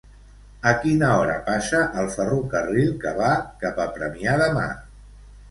A quina hora passa el ferrocarril que va cap a Premià de Mar?